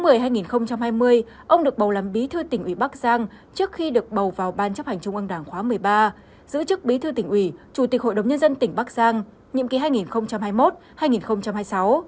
năm hai nghìn hai mươi ông được bầu làm bí thư tỉnh ủy bắc giang trước khi được bầu vào ban chấp hành trung ương đảng khóa một mươi ba giữ chức bí thư tỉnh ủy chủ tịch hội đồng nhân dân tỉnh bắc giang nhiệm kỳ hai nghìn hai mươi một hai nghìn hai mươi sáu